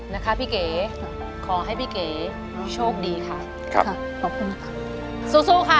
นะคะพี่เก๊ขอให้พี่เก๊โชคดีค่ะ